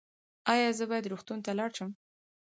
ایا زه باید روغتون ته لاړ شم؟